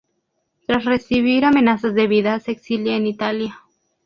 Tras recibir amenazas de vida, se exilia en Italia.